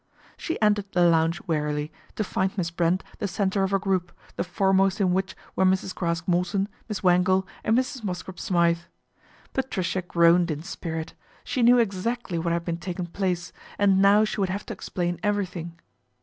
She entered the lounge wearily, to find Miss Brent the centre of a group, the foremost in which were Mrs. Craske Morton, Miss Wangle, and Mrs. Mosscrop Smythe. Patricia groaned in spirit ; she knew exactly what had been taking place, and now she would have to explain everything.